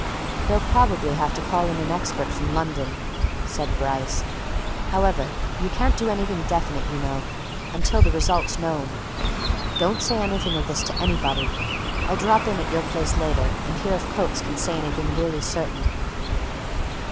"They'll probably have to call in an expert from London," said Bryce. "However, you can't do anything definite, you know, until the result's known. Don't say anything of this to anybody. I'll drop in at your place later and hear if Coates can say anything really certain."